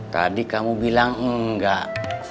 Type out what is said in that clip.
tadi kamu bilang enggak